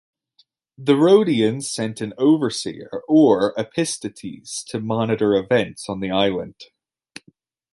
The Rhodians sent an overseer, or "epistates", to monitor events on the island.